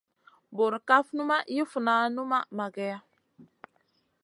Burkaf numa yi funa numa mageya.